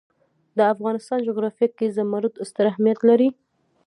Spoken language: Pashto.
د افغانستان جغرافیه کې زمرد ستر اهمیت لري.